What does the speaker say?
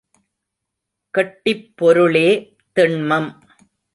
கெட்டிப் பொருளே திண்மம்.